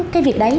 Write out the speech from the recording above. cái việc đấy